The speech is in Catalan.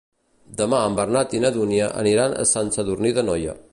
Demà en Bernat i na Dúnia aniran a Sant Sadurní d'Anoia.